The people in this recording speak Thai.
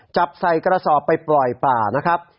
จับใส่กระสอบไปปล่อยป่านะครับ